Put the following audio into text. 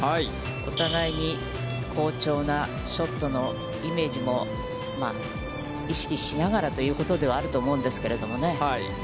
お互いに好調なショットのイメージも意識しながらということではあると思うんですけれどもね。